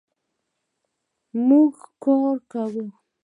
مونږ کار کوو